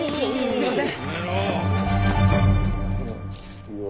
すみません！